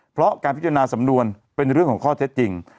เพราะการพิจารณาสำนวนเป็นเรื่องของข้อเท็จจริง